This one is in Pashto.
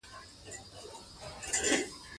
دا کلمه بم ادا کېږي.